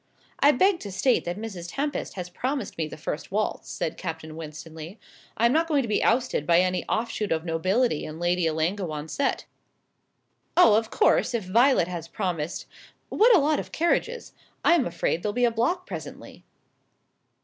"I beg to state that Miss Tempest has promised me the first waltz," said Captain Winstanley. "I am not going to be ousted by any offshoot of nobility in Lady Ellangowan's set." "Oh, of course, if Violet has promised What a lot of carriages! I am afraid there'll be a block presently."